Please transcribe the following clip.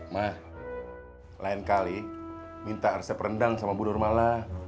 ma lain kali minta resep rendang sama bundur mala